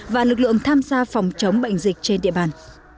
và lực lượng tham gia phòng chống bệnh dịch trên địa bàn